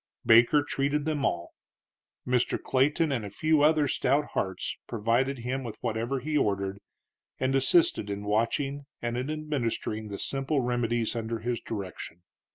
Baker treated them all. Mr. Clayton and a few other stout hearts provided him with whatever he ordered, and assisted in watching and in administering the simple remedies under his direction.